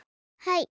はい。